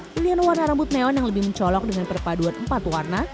pilihan warna rambut neon yang lebih mencolok dengan perpaduan empat warna